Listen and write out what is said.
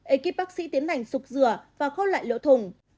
ê kíp bác sĩ tiến hành sụp rửa và khô lại lỗ thủng